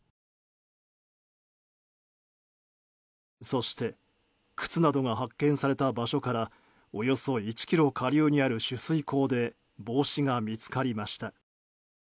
そして、靴などが発見された場所からおよそ１ｋｍ下流にある取水口で帽子が見つかりました。